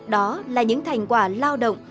đó là những thành quả lao động